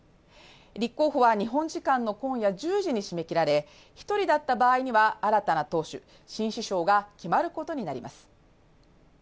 立候補は日本時間の今夜１０時に締め切られ１人だった場合には、新たな党首、新首相が決まることになります。